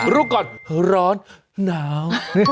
รู้ก่อนร้อนหนาว